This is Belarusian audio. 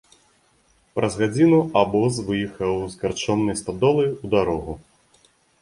Праз гадзіну абоз выехаў з карчомнай стадолы ў дарогу.